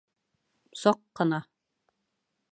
Саҡ ҡына!